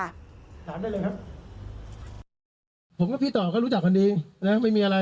ถามได้เลยครับผมกับพี่ต่อก็รู้จักกันดีนะไม่มีอะไร